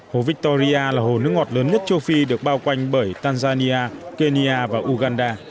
hồ victoria là hồ nước ngọt lớn nhất châu phi được bao quanh bởi tanzania kenya và uganda